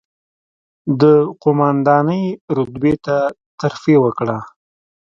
د قوماندانۍ رتبې ته ترفېع وکړه،